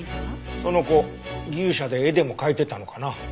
その子牛舎で絵でも描いてたのかな？